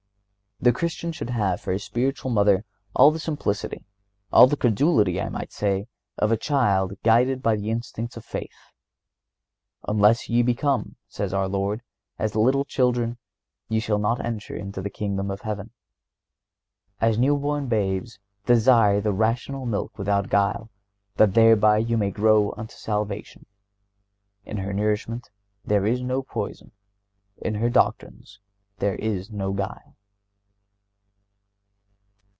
The Christian should have for his spiritual Mother all the simplicity, all the credulity, I might say, of a child, guided by the instincts of faith. "Unless ye become," says our Lord, "as little children, ye shall not enter into the Kingdom of Heaven."(133) "As new born babes, desire the rational milk without guile; that thereby you may grow unto salvation."(134) In her nourishment there is no poison; in her doctrines there is no guile.